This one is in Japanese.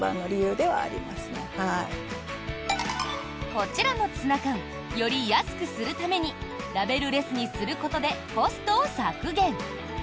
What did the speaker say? こちらのツナ缶より安くするためにラベルレスにすることでコストを削減！